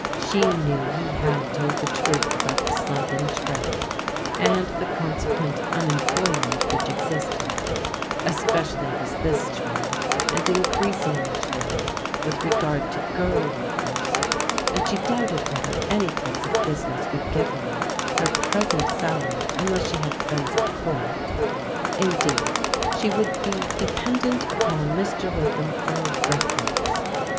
She knew he had told the truth about the slump in trade, and the consequent unemployment which existed; especially was this true, and increasingly true, with regard to girl workers, and she doubted whether any place of business would give her her present salaiy unless she had friends at court Indeed, she would be dependent upon Mr. Wakeham for a reference.